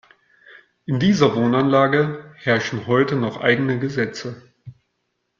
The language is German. In dieser Wohnanlage herrschen heute noch eigene Gesetze.